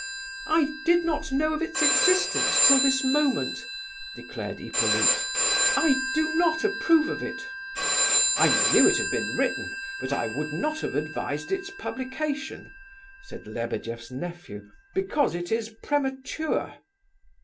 "I did not know of its existence till this moment," declared Hippolyte. "I do not approve of it." "I knew it had been written, but I would not have advised its publication," said Lebedeff's nephew, "because it is premature."